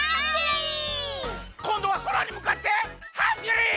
こんどはそらにむかってハングリー！